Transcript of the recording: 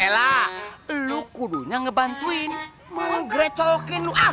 ella lo kudunya ngebantuin menggrecokin lo